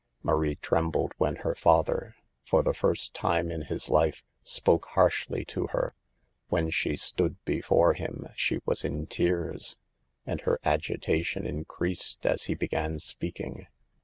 Marie trembled when her father, for the first time in his life, spoke harshly to her. When she stood before him, she was in tears, and her agitation increased as he began speak ing.